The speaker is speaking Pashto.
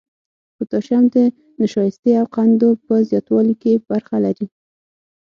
پوتاشیم د نشایستې او قندونو په زیاتوالي کې برخه لري.